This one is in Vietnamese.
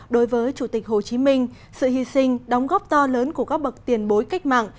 đối với chủ tịch hồ chí minh sự hy sinh đóng góp to lớn của các bậc tiền bối cách mạng